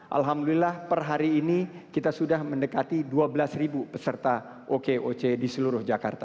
alhamdulillah per hari ini kita sudah mendekati dua belas peserta okoc di seluruh jakarta